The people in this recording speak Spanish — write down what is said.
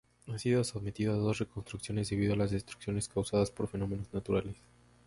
Ha sido sometido a dos reconstrucciones, debido a las destrucciones causadas por fenómenos naturales.